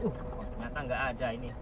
ternyata nggak ada ini